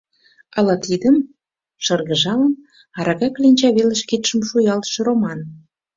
Ала тидым? — шыргыжалын, арака кленча велыш кидшым шуялтыш Роман.